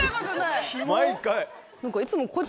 毎回。